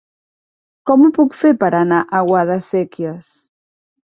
Com ho puc fer per anar a Guadasséquies?